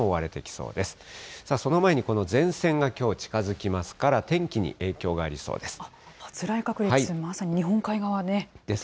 その前にこの前線がきょう、近づきますから、天気に影響がありそうです。